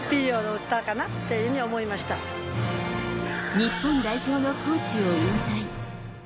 日本代表のコーチを引退。